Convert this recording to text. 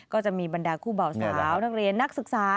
ก็จะมีบรรดาคู่เบาสาวนักเรียนนักศึกษา